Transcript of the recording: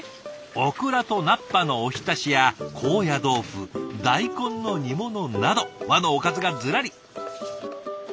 オクラと菜っぱのお浸しや高野豆腐大根の煮物など和のおかずがずらり。